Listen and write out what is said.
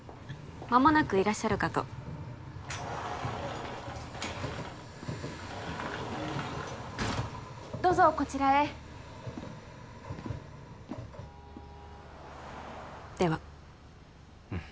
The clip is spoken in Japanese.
まもなくいらっしゃるかとどうぞこちらへではうん